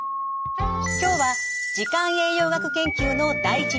今日は時間栄養学研究の第一人者